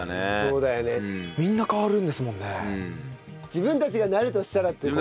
自分たちがなるとしたらって事？